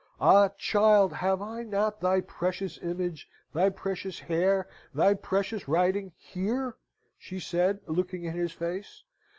"Ah, child! have I not thy precious image, thy precious hair, thy precious writing here?" she said, looking in his face.